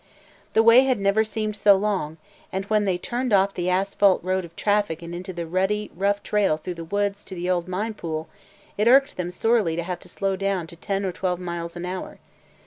The way had never seemed so long, and when they turned off the asphalt road of traffic and into the rutty, rough trail through the woods to the old mine pool it irked them sorely to have to slow down to ten or twelve miles an hour.